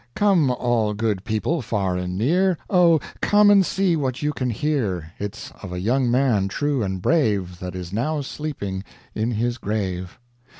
Come all good people far and near, Oh, come and see what you can hear, It's of a young man true and brave, That is now sleeping in his grave.